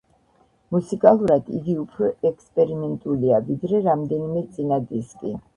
მუსიკალურად იგი უფრო ექსპერიმენტულია, ვიდრე რამდენიმე წინა დისკი.